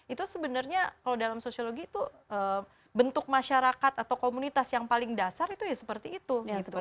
itu sebenarnya kalau dalam sosiologi itu bentuk masyarakat atau komunitas yang paling dasar itu ya seperti itu gitu